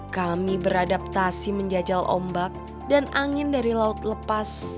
kami beradaptasi menjajal ombak dan angin dari laut lepas